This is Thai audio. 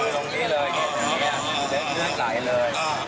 แล้วเล็บเลือดหลายเลย